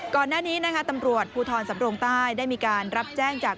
ก่อนหน้านี้นะคะตำรวจภูทรสำรงใต้ได้มีการรับแจ้งจาก